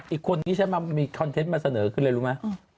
อีกคนนี่ฉันมีคอนเทนต์มาเสนอขึ้นเลยรู้ไหม